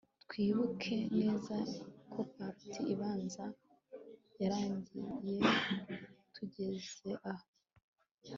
Twibuke neza ko part ibanza yarangiye tugeze aho